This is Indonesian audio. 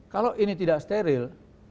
kalau ini tidak steril